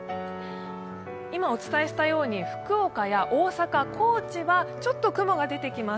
今お伝えしたように福岡や大阪、高知はちょっと雲が出てきます。